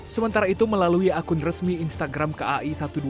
sementara itu melalui akun resmi instagram kai satu ratus dua puluh